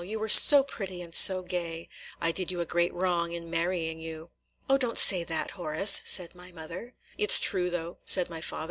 You were so pretty and so gay! I did you a great wrong in marrying you." "O, don't say that Horace," said my mother. "It 's true, though," said my father.